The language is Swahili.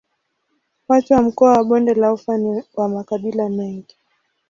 Watu wa mkoa wa Bonde la Ufa ni wa makabila mengi.